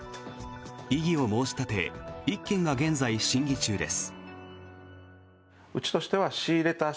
異議を申し立て１件が現在、審議中です。